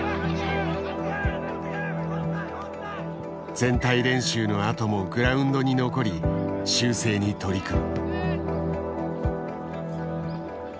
全体練習のあともグラウンドに残り修正に取り組む。